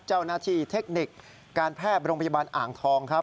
เจ้าหน้าที่เทคนิคการแพร่โรงพยาบาลอ่างทองครับ